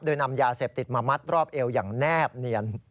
โดยนำยาเสพติดมามัดรอบเอวอย่างแนบเนียน